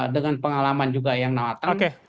dengan pengalaman juga yang matang